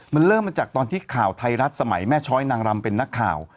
มันเริ่มมาจากตอนที่ข่าวไทยรัฐสมัยแม่ช้อยนางรำเป็นนักข่าว